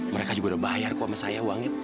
mereka juga udah bayar kok sama saya uangnya